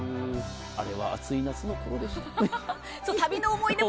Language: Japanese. あれは暑い夏のことでした。